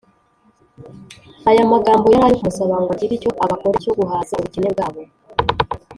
” Aya magambo yari ayo kumusaba ngo agire icyo abakorera cyo guhaza ubukene bwabo